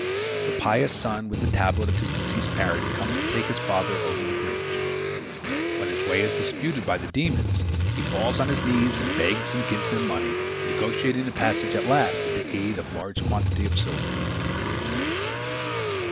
The pious son with the tablet of his deceased parent comes to take his father over the bridge. When his way is disputed by the demons, he falls on his knees and begs and gives them money, negotiating the passage at last with the aid of a large quantity of silver.